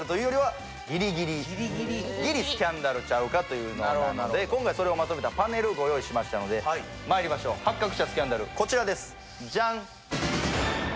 ちゃうかというのなので今回それをまとめたパネルご用意しましたのでまいりましょう発覚したスキャンダルこちらですじゃん！